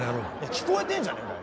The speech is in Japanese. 聞こえてんじゃねえかよ。